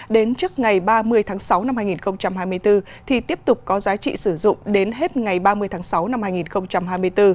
đến trước ngày ba mươi tháng sáu năm hai nghìn hai mươi bốn thì tiếp tục có giá trị sử dụng đến hết ngày ba mươi tháng sáu năm hai nghìn hai mươi bốn